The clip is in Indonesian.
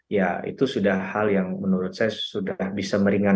ya itu sudah hal yang menurut saya sudah bisa meringankan